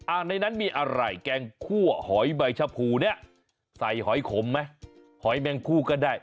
ในนั้นมีอะไรแกงคั่วหอยใบชะพูเนี่ยใส่หอยขมไหมหอยแมงคู่ก็ได้